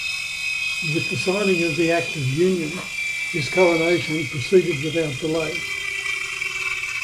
With the signing of the Act of Union, his coronation proceeded without delay.